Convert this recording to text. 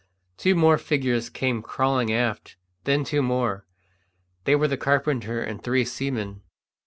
Two more figures came crawling aft. Then two more. They were the carpenter and three seamen.